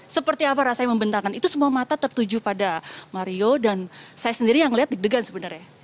seperti apa rasanya membentangkan itu semua mata tertuju pada mario dan saya sendiri yang melihat deg degan sebenarnya